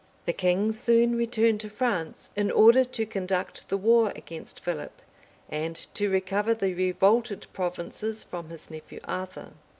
The king soon returned to France, in order to conduct the war against Philip, and to recover the revolted provinces from his nephew Arthur.